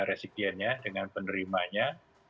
resikiannya dengan penerimanya